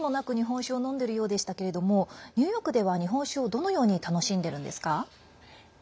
皆さん、おつまみもなく日本酒を飲んでいるようでしたがニューヨークでは日本酒をどのように楽しんでるんですか？